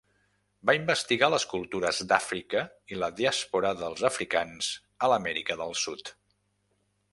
Va investigar les cultures d'Àfrica i la diàspora dels africans a l'Amèrica del Sud.